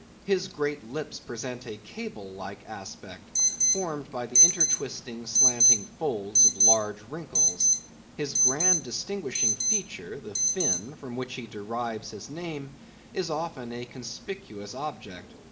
His great lips present a cable like aspect, formed by the intertwisting, slanting folds of large wrinkles. His grand distinguishing feature, the fin, from which he derives his name, is often a conspicuous object.